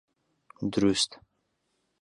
دروست!